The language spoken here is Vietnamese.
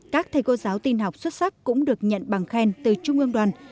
các thầy cô giáo tin học xuất sắc cũng được nhận bằng khen từ trung ương đoàn